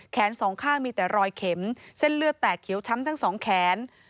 สองข้างมีแต่รอยเข็มเส้นเลือดแตกเขียวช้ำทั้งสองแขน